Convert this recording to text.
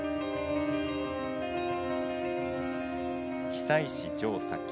久石譲作曲